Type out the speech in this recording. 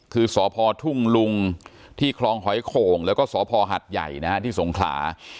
คือสพทุ่งลุงที่คลองหอยโข่งแล้วก็สพหัดใหญ่นะฮะที่สงขลา